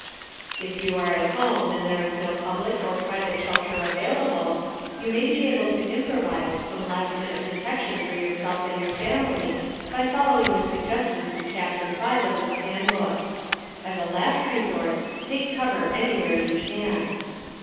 If you are at home and there is no public or private shelter available, you may be able to improvise some last minute protection for yourself and your family by following the suggestions in Chapter 5 (pages 33 38) of this handbook. As a last resort, take cover anywhere you can.